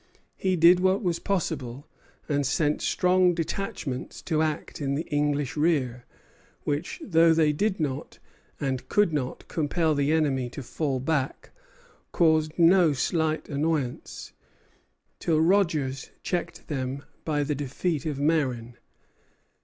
He did what was possible, and sent strong detachments to act in the English rear; which, though they did not, and could not, compel the enemy to fall back, caused no slight annoyance, till Rogers checked them by the defeat of Marin.